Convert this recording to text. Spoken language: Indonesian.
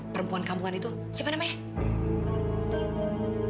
perempuan kampungan itu siapa namanya